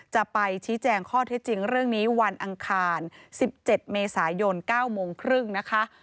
จะไปชี้แจงข้อเท็จจริงเรื่องนี้วันอังคาร๑๗เมษายน๙โมงครึ่งนะคะ